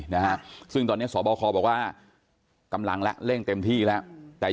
นะฮะซึ่งตอนนี้สบคบอกว่ากำลังแล้วเร่งเต็มที่แล้วแต่